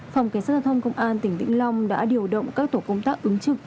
phòng cảnh sát giao thông công an tỉnh vĩnh long đã điều động các tổ công tác ứng trực